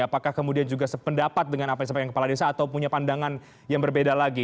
apakah kemudian juga sependapat dengan apa yang disampaikan kepala desa atau punya pandangan yang berbeda lagi